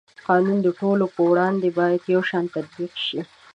قانون د ټولو په وړاندې باید یو شان تطبیق شي.